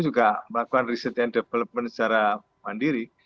juga melakukan research and development secara mandiri